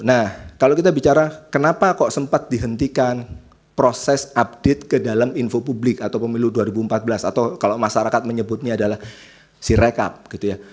nah kalau kita bicara kenapa kok sempat dihentikan proses update ke dalam info publik atau pemilu dua ribu empat belas atau kalau masyarakat menyebutnya adalah sirekap gitu ya